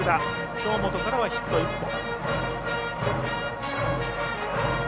京本からはヒット１本。